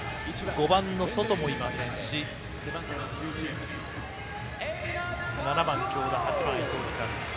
５番のソトもいませんし７番、京田、８番、伊藤光。